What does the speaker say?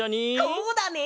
こうだね！